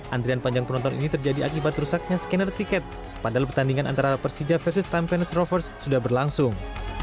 antrian panjang penonton ini terjadi akibat rusaknya scanner tiket padahal pertandingan antara persija versus tim pence rovers sudah berlangsung